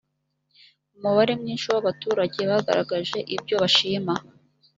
umubare mwinshi w’abaturage bagaragaje ibyo bashima